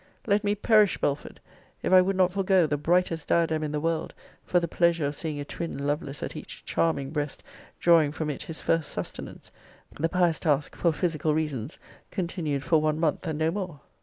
Let me perish, Belford, if I would not forego the brightest diadem in the world, for the pleasure of seeing a twin Lovelace at each charming breast, drawing from it his first sustenance; the pious task, for physical reasons,* continued for one month and no more!